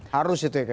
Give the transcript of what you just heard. harus itu ya captain